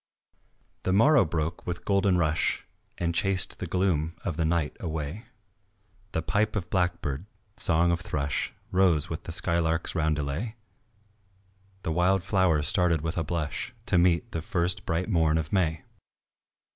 The morrow broke with golden rush And chased the gloom of night away; The pipe of blackbird, song of thrush, Rose with the skylark's roundelay, The wild flowers started with a blush To meet the first bright morn of May.